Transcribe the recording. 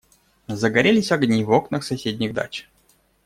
Загорелись огни в окнах соседних дач.